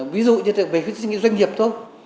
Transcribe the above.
ví dụ như doanh nghiệp thôi